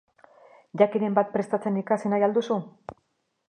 Jakiren bat prestatzen ikasi nahi al duzu?